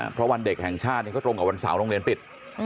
เพราะวันเด็กแห่งชาติก็ตรงกับวันเสาร์โรงเรียนปิด